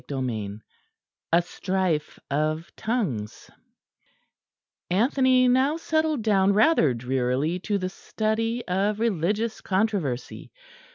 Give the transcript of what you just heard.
CHAPTER XII A STRIFE OF TONGUES Anthony now settled down rather drearily to the study of religious controversy.